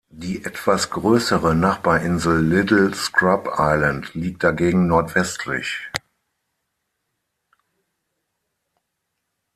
Die etwas größere Nachbarinsel Little Scrub Island liegt dagegen nordwestlich.